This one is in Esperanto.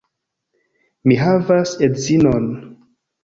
Mi havas edzinon.